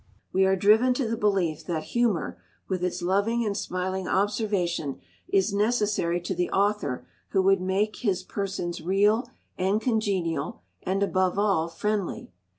We are driven to the belief that humour, with its loving and smiling observation, is necessary to the author who would make his persons real and congenial, and, above all, friendly.